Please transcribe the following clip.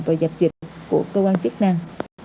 và dập dịch của cơ quan chức năng